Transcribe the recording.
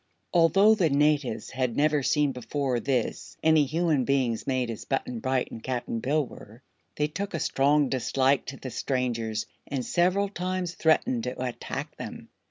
Although the natives had never seen before this any human beings made as Button Bright and Cap'n Bill were, they took a strong dislike to the strangers and several times threatened to attack them.